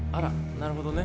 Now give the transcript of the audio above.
なるほどね。